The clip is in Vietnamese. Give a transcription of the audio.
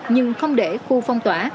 nhưng không để khu phong tỏa